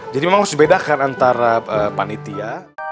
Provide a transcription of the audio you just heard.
jadi memang harus dibedakan antara panitia